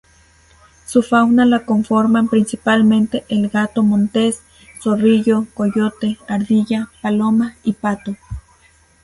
Su fauna la conforman principalmente el gato montes, zorrillo, coyote, ardilla, paloma y pato.